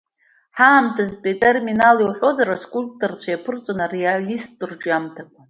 Ҳаамҭазтәи атермин ала иуҳәозар, аскульпторцәа иаԥырҵон ареалисттә рҿиамҭақәа.